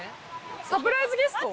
サプライズゲスト？